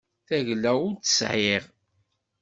Tagella ur tt-sɛiɣ.